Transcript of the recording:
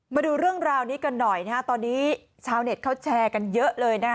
มาดูเรื่องราวนี้กันหน่อยนะฮะตอนนี้ชาวเน็ตเขาแชร์กันเยอะเลยนะคะ